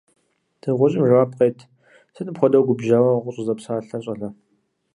Дыгъужьым жэуап къет: – Сыт мыпхуэдэу губжьауэ укъыщӀызэпсалъэр, щӀалэ.